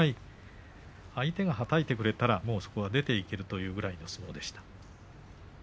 相手がはたいてくれたらそこはもう出ていけるっていうぐらいの相撲でした。